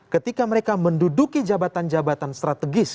ketika mereka menduduki jabatan jabatan strategis